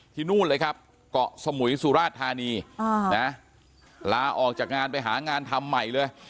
นู่นเลยครับเกาะสมุยสุราชธานีนะลาออกจากงานไปหางานทำใหม่เลย